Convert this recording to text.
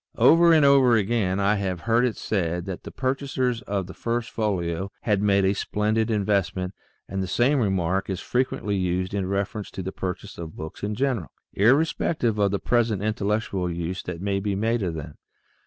Over and over again I have heard it said that the pur chasers of the " First Folio " had made a splendid investment and the same remark is frequently used in reference to the purchase of books in general, irrespective of the present in tellectual use that may be made of them.